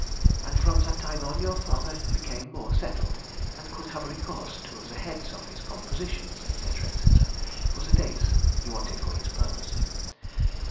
And from that time on, your father became more settled, and could have recourse to the heads of his compositions, &c., &c., for the dates he wanted for his purpose.